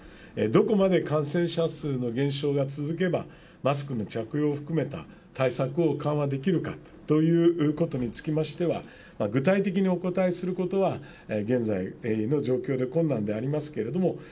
どこまで感染者数の減少が続けば、マスクの着用を含めた対策を緩和できるかということにつきましては、具体的にお答えすることは、現在の状況で困難でありますけれども。